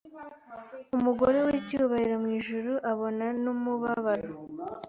Umugore wicyubahiro mwijuru abona numubabaro